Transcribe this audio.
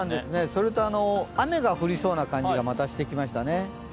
それと、雨が降りそうな感じがまたしてきましたね。